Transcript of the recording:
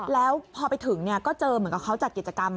แล้วพอไปถึงก็เจอเหมือนกับเขาจัดกิจกรรม